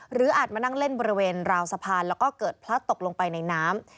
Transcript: อาจมานั่งเล่นบริเวณราวสะพานแล้วก็เกิดพลัดตกลงไปในน้ำ